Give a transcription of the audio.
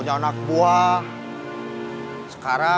dia udah mau richah kepada